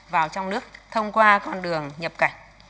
vào trong nước thông qua con đường nhập cảnh